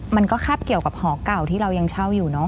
มันก็คาบเกี่ยวกับหอเก่าที่เรายังเช่าอยู่เนาะ